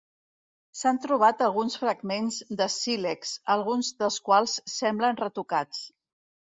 S'han trobat alguns fragments de sílex, alguns dels quals semblen retocats.